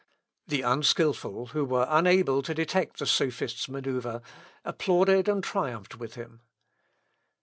The unskilful, who were unable to detect the sophist's manœuvre, applauded and triumphed with him....